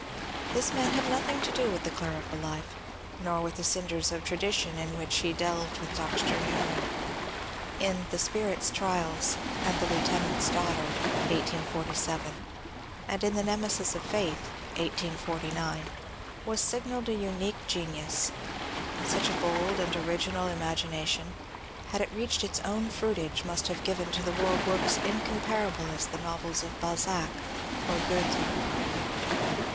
This man had no thing to do with the clerical life, nor with the cinders of tradi tion in which he delved with Dr. Newman. In " The Spirit's Trials," and The Lieutenant's Daughter " (1847), and in *^The Nemesis of Faith" (1849), was signalled a unique genius. Such a bold and original imagination, had it reached its own fruitage, must have given to the world works incom parable as the novels of Balzac or Goethe.